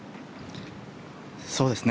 そうですね。